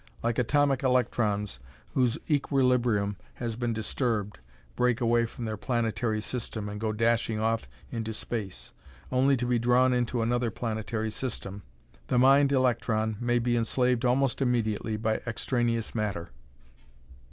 Like atomic electrons, whose equilibrium disturbed break away from their planetary system and go dashing off into space, only to be drawn into another planetary system, the mind electron may be enslaved almost immediately by extraneous matter.